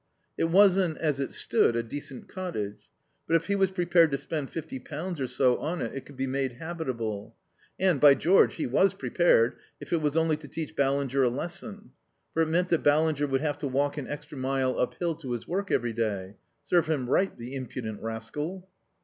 It wasn't, as it stood, a decent cottage; but if he was prepared to spend fifty pounds or so on it, it could be made habitable; and, by George, he was prepared, if it was only to teach Ballinger a lesson. For it meant that Ballinger would have to walk an extra mile up hill to his work every day. Serve him right, the impudent rascal.